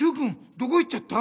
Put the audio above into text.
どこ行っちゃった？